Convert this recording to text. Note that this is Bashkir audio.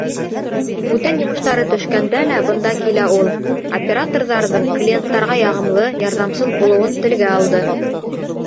Бүтән йомоштары төшкәндә лә бында килә ул, операторҙарҙың клиенттарға яғымлы, ярҙамсыл булыуын телгә алды.